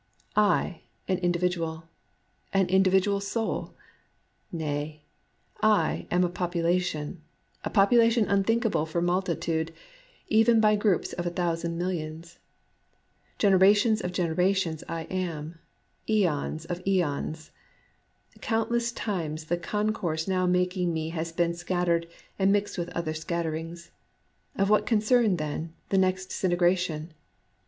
I an individual, — an individual soul ! Nay, I am a population, — a population unthinkable for multitude, even by groups of a thousand millions ! Generations of generations I am, seons of seons ! Countless times the concourse now making me has been scattered, and mixed with other scatterings. Of what concern, then, the next disintegration